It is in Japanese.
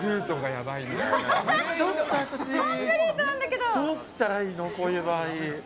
どうしたらいいのこういう場合。